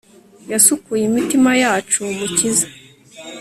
yasukuye imitima yacu, mukiza